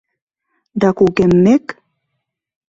Да кугеммек